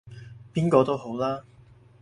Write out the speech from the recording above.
邊個都好啦